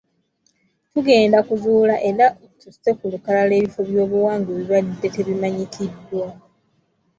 Tugenda kuzuula era tusse ku lukalala ebifo by’obuwangwa ebibadde tebimanyikiddwa.